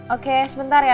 oke sebentar ya